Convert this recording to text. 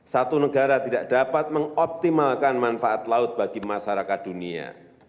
satu negara tidak dapat mengoptimalkan manfaat laut bagi masyarakat dunia